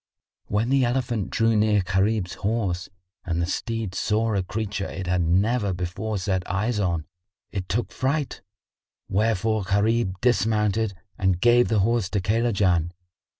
When the elephant drew near Gharib's horse, and the steed saw a creature it had never before set eyes on, it took fright;[FN#57] wherefore Gharib dismounted and gave the horse to Kaylajan.